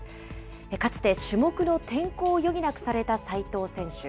かつて種目の転向を余儀なくされた齋藤選手。